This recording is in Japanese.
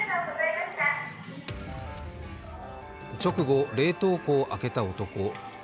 直後、冷凍庫を開けた男。